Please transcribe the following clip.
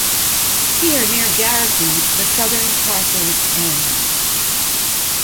Here, near Garrison, the southern parcels end.